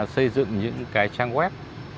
xây dựng những cái trang web